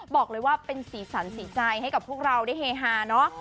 บอกเลยว่าเป็นสีสันสีใจให้กับพวกเราได้เฮฮาเนาะ